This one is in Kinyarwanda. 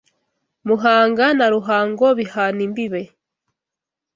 Muhanga na Ruhango bihana imbibe